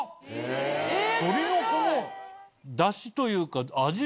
鶏のこのダシというか味